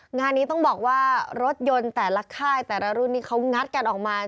งานนี้ต้องบอกว่ารถยนต์แต่ละค่ายแต่ละรุ่นนี้เขางัดกันออกมา